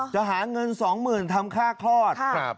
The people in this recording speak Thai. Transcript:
จะหาเงินสองหมื่นทำค่าคลอดครับ